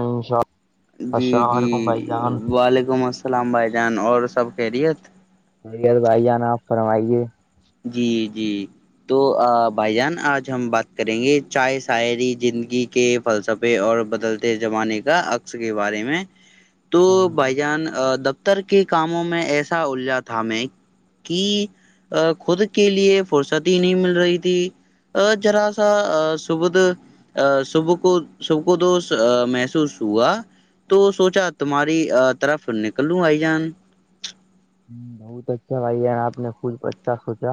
ا ان شاء اللہ جی السلام جی علیکم بھائی جان وعلیکم السلام بھائی جان اور سب خیریت ب توب آئی جانا آپ فرمائیے جی جی تو بھائی جان آج ہم بات کریں گے چائے شاعری زندگی کے فلسفے اور بدلتے زمانے کا عکس کے بارے میں تو ہاں جی بھائی جان دفتر کے کاموں میں ایسا الجا تھا میں کہ خود کے لیے فرصتی نہیں مل رہی تھی ا ذرا سا سبد ا صبح کو صب کو دوش محسوس ہوا تو سوچا تمہاری طرف نکلوں آئی جان ہ بہت اچھا بھائی ان آپ نے خوود بچھا سوچا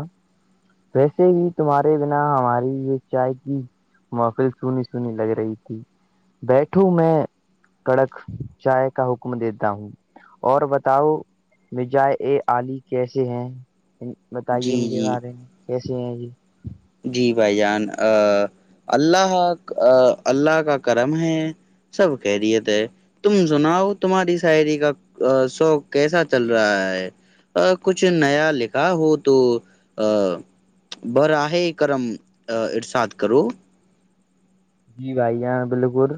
ویسے ہی تمہارے بنا ہماری یہ چائے کی محفل سنی سنی لگ رہی تھی بیٹھوں میں کڑک چائے کا حکم دیتا ہوں اور بتاؤ مجائے اے علی کیسے ہیں بتائیے جی ان کے جی بارے میں کیسے ہیں جی جی بھائی جان اللہ اللہ کا کرم ہے سب کہہرییے تھے تم سناؤ تمہاری شاعری کا شوق کیسا چل رہا ہے کچھ نیا لکھا ہو تو ا بر آاہ کررم ارساد کرو جی بھائیا بالکل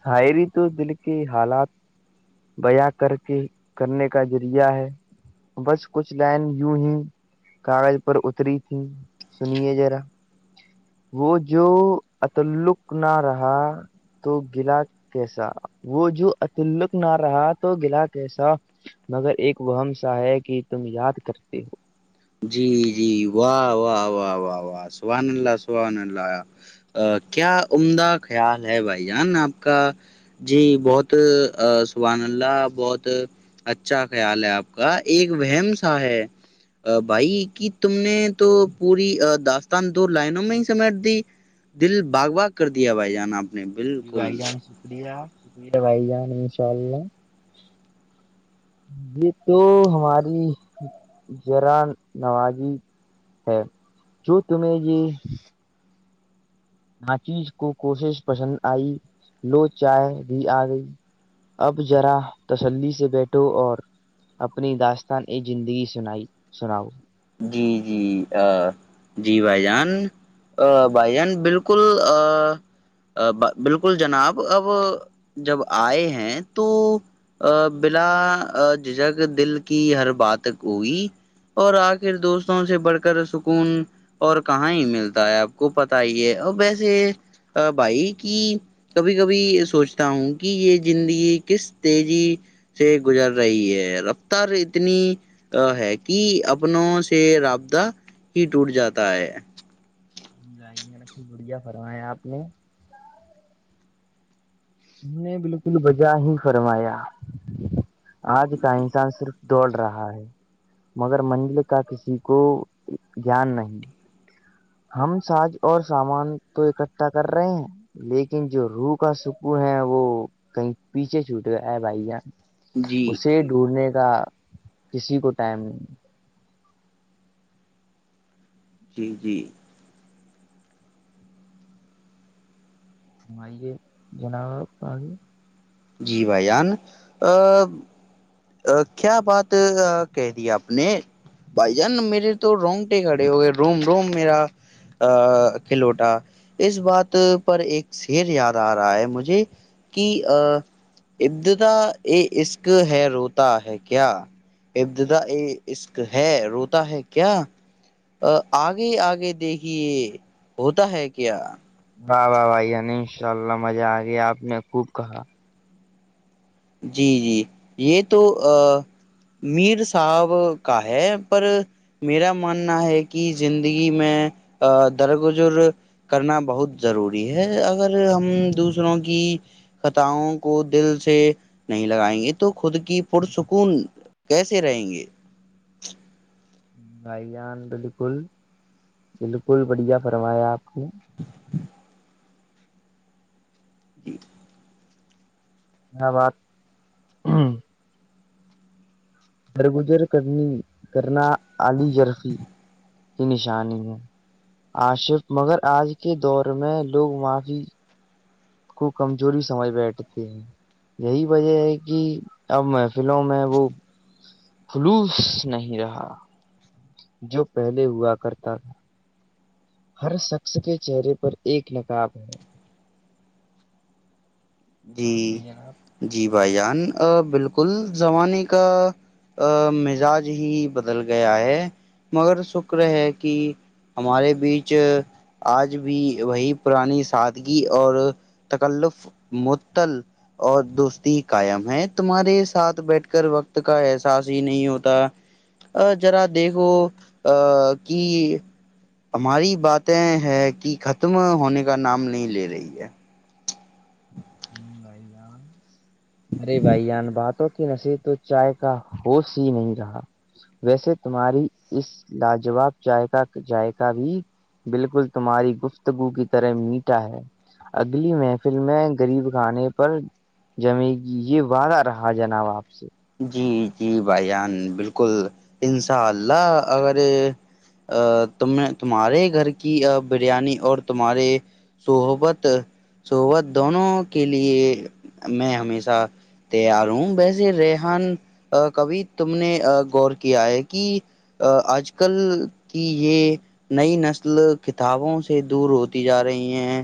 شاعری تو دل کے حالات بیاں کر کے کرنے کا ذریعہ ہے بس کچھ لائن یوں ہی کاغذ پر اتری تھی سنیے جذرا وہ جو اتعلق نہ رہا تو گلا کیسا وہ جو اتلق نہ رہا تو گلا کیسا مگر ایک وہ ہم سا ہے کہ تم یاد کرتے ہو جی جی واہ و و کیا عمدہ خیال ہے بھائی جان آپ کا جی بہت سبحان اللہ بہت اچھا خیال ہے آپ کا ایک بم سا ہے بھائی کی تم نے تو پوری داستان دو لائنوں میں ہی سمیٹ دی دل باغ باغ کر دیا بھائی جان آپ نے جی بھائی بالکل جان شکریہ شکریہ بھائی جان انشاء اللہ یہ تو ہماری ذرا نوازی ہے جو تمہیں یہ ناچی کو کوشش پسند آئی لو چائے بھی آ گئی اب ذرا تسلی سے بیٹھو اور اپنی داستان یہ زندگ سنائی سناؤ جی جی جی بھائی جان ا بھائی جان بالکل بالکل جناب اب جب آئے ہیں تو ا بلا جھجک دل کی ہر بات ہوئی اور آگے پھر دوستوں سے بڑھ کر سکون اور کہاں ہی ملتا ہے آپ کو پتا ہی ہے اور ویسے بھائی کی کبھی کبھی سوچتا ہوں کہ یہ زندگی کس تیزی سے گزر رہی ہے رفتار اتنی ہے کہ اب اپنوں سے رابطہ ہی ٹوٹ جاتا ہے یہ رھی گڑیا فرمایا آپ نے نے بالکل بجہ ہی فرمایا آج کا انسان صرف دوڑ رہا ہے مگر منزل کا کسی کو گان نہیں ہم سج اور سامان تو اکٹھا کر رہے ہیں لیکن جو روح کا سکر ہے وہ کہیں پیچھے چھوٹ گیا ہے بھائی یہاں جی اسے ڈھونڈنے کا کسی کو ٹائم نہیں جی جی ہمئی یہ جناور کای جی بھائی جان کیا بات کہہ دی آپ نے بھائی جان میرے تو رونگٹے کھڑے ہو گئے روم روم میرا ا کھلوٹا اس بات پر ایک شیر یاد آ رہا ہے مجھے [unintelligible] ادد یہ عشق ہے روتا ہے کیا ابددا ا عشق ہے روتا ہے کیا آگے آگے دیکھیے ہوتا ہے کیا واہ واہ بھائی نی ان شاء اللہ مزہ آ گیا آپ نے خوب کہا جی جی یہ تو میر صاحب کا ہے پر میرا ماننا ہے کہ زندگی میں درگزر کرنا بہت ضروری ہے اگر ہم دوسروں کی ختاؤوں کو دل سے نہیں لگائیں گے تو خود کی پرسکون کیسے رہیں گے بھائی جان بالکل بالکل بڑھیا فرمایا آپ کو [inaudible] جی [unintelligible] ا بات ہ [unintelligible] درگزر کرنی کرنا علی رفی کی نشانی ہے آصف مگر آج کے دور میں لوگ معافی کو کمزوری سمجھ بیٹھتے ہیں یہی وجہ ہے کہ اب مح فلوں میں وہ خلوص نہیں رہا جو پہلے ہوا کرتا تھا ہر شخص کے چہرے پر ایک نقاب ہے جی جناب جی بھائی فرمائیے۔ جان بالکل زمانے کا ا مزاج ہی بدل گیا ہے مگر شکر ہے کہ ہمارے بیچ آج بھی وہی پرانی سادگی اور تکلف معطل اور دوستی قائم ہے تمہارے ساتھ بیٹھ کر وقت کا احساس ہی نہیں ہوتا ا جرا دیکھو ا کہ ہماری باتیں ہے کہ ختم ہونے کا نام نہیں لے رہی ہے ارے بھائی جان بات کی نصیب تو چائے کا ہوس ہی نہیں رہا ویسے تمہاری اس لاجواب جائےق جذائقہ بھی بالکل تمہاری گفتگو کی طرح میٹھا ہے اگلی محفل میں غریب خھانے پر جمے گی یہ وعدہ رہا جناب آپ سے جی جی بھائیان بالکل انشاء اللہ اگر ا تم نے تمہارے گھر کی بریانی اور تمہارے تو بت سوت دونوں کے لیے میں ہمیشہ تیار ہوں بسے رہے کبھی تم نے غور کیا ہے کہ ا آج کل کی یہ نئی نسل کتابوں سے دور ہوتی جا رہی ہیں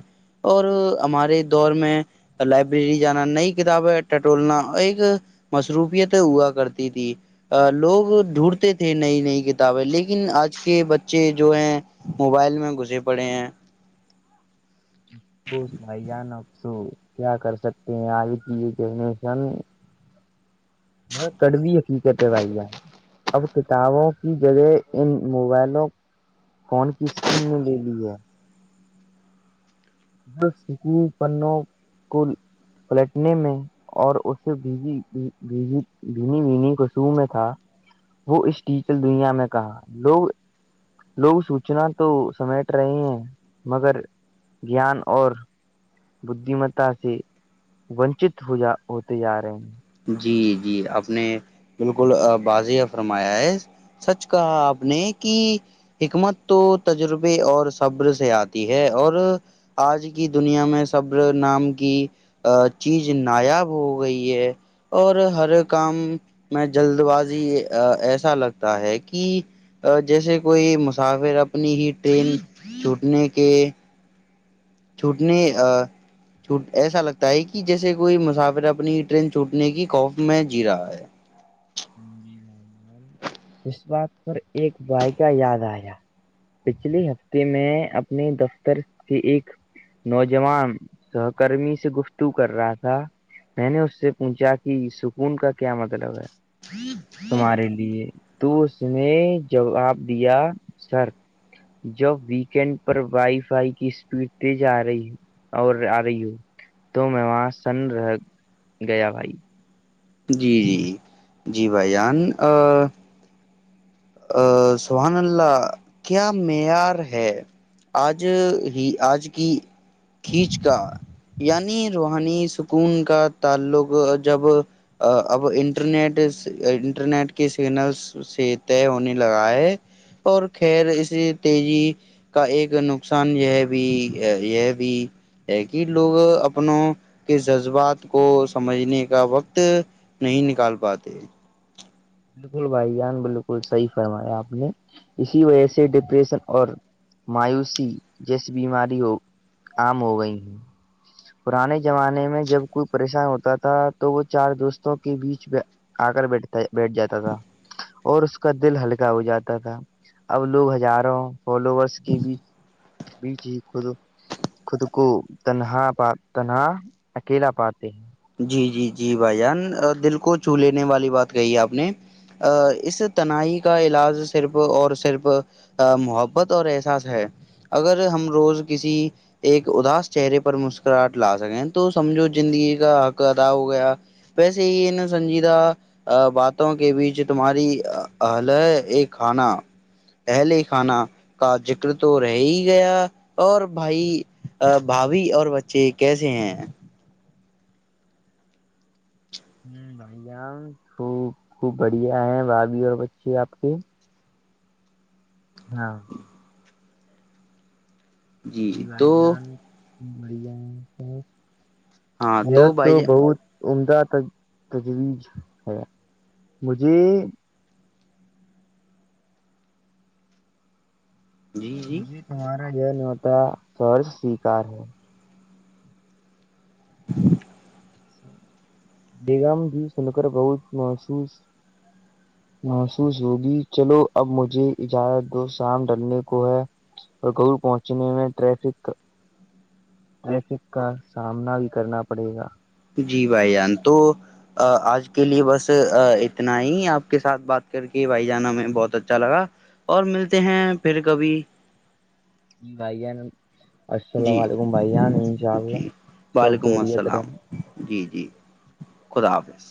اور ہمارے دور میں تو لائبریری جانا نئی کتابیں ٹٹولنا ایک شروفیت ہوا کرتی تھی ا لوگ ڈھونڈتے تھے نئی نئی کتابیں لیکن آج کے بچے جو ہیں موبائل میں گھسے پڑے ہیں بوس بھائی جان اب توو کیا کر سکتے ہیں آج کی یہ جنریشن کڑوی حقیقت ہے بھائی ار اب کتابوں کی جگہ ان موبائلوں فون کی اسکن نے لے لی ہے بس سکو پنوں کو پلٹنے میں اور اس سے بیی بینی بنیی کو سو میں تھا وہ اس ٹیچل دنیا میں کہا لوگ لوگ سوچنا تو سمیٹ رہے ہیں مگر گیان اور بددیمتا سے ونچت ہوا ہوتے جا رہے ہیں جی جی آپ نے بالکل بض فرمایا ہے سچ کہا آپ نے کی حکمت تو تجربے اور صبر سے آتی ہے اور آج کی دنیا میں سبر نام کی ا چیز نایاب ہو گئی ہے اور ہر کام میں جلد بازی ایسا لگتا ہے کہ جیسے کوئی مسافر اپنی ہی ٹرین چھٹنے کے چھوٹنی ا ایسا لگتا ہے کہ جیسے کوئی مسافر اپنی ٹرین چوٹنے کی خوف میں جی رہا ہے جی اس بات پر ایک بائیکہ یاد آیا پچھلے ہفتے میں اپنے دفتر سے ایک نوجوان سہکرمی سے گفتگ کر رہا تھا میں نے اس سے پوچھا کہ سکون کا کیا مطلب ہے [inaudible] تمہارے لیے تو اس میں جواب دیا سر جب ویکینڈ پر وائی فائی کی اسپیڈ تیز آ رہی ہے اور آ رہی ہوں تو میں وہاں سن رہ گیا بھائی جی جی جی بھائی جان ا سبان اللہ کیا معیار ہے آج ہی آج کی کھینچ کا یعنی روحانی سکون کا تعلق جب اب انٹرنیٹ انٹرنیٹ کے سگنلس سے طے ہونے لگا ہے اور خیر اسے تیزی کا ایک نقصان یہ بھی یہ بھی ہے کہ لوگ اپنوں کے جذبات کو سمجھنے کا وقت نہیں نکال پاتے بالکل بھائی جان بالکل صحیح فرمایا آپ نے اسی وجہ سے ڈپریشن اور مایوسی جیسی بیماری ہو عام ہو گئی ہے پرانے زمانے میں جب کوئی پریشان ہوتا تھا تو وہ چار دوستوں کے بیچ آ کر بیٹھتا بیٹھ جاتا تھا اور اس کا دل ہلکا ہو جاتا تھا اب لوگ ہزاروں فالوورس کے بیچ بیچ ہی خود خود کو تنہا تنہا اکیلا پاتے ہیں جی جی جی بھائی جان دل کو چو لینے والی بات کہی ہے آپ نے اس تنہائی کا علاج صرف اور صرف محبت اور احساس ہے اگر ہم روز کسی ایک اداس چہرے پر مسکراہٹ لا سکیں تو سمجھو زندگی کا حق ادا ہو گیا ویسے ہی ہے سنجی د ا باتوں کے بیچ تمہاری حل ہے ایک کھانا اہلے خانہ کا ذکر تو رہ ہی گیا اور بھائی بھابھی اور بچے کیسے ہیں ہ بھائییاام خوب خوب بڑھیا ہیں بھاابھی اور بچے آپ کے ہاں جی بائی تو جان بڑیا ہاں م تو بھائی جان بہت عمدہ تجویز ہے مجھے جی جی مجھے تمہارا یہ نوتا سر سیکار ہے بیگم بھی سنکر بہت محسوس محسوس ہوگی چلو اب مجھے اجازت دو شام ڈلنے کو ہے اور گؤور پہنچنے میں ٹریفک ریفک کا سامنا بھی کرنا پڑے گا جی بھائی جان تو آج کے لیے بس اتنا ہی آپ کے ساتھ بات کر کے بھائی جانا میں بہت اچھا لگا اور ملتے ہیں پھر کبھی بھائیان السلام جی علیکم بھائیان انشاء اللہ جی سب وعلیکم خیریت السلام رہے جی جی خدا حافظ